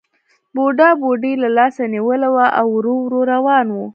بوډا بوډۍ له لاسه نیولې وه او ورو ورو روان وو